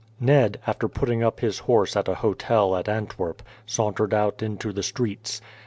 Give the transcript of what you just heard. Ned, after putting up his horse at a hotel at Antwerp, sauntered out into the streets.